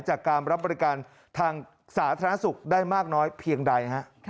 จากการรับบริการทางสาธารณสุขได้มากน้อยเพียงใด